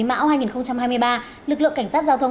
mão hai nghìn hai mươi ba lực lượng cảnh sát giao thông